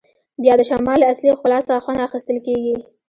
بیا د شمال له اصلي ښکلا څخه خوند اخیستل کیږي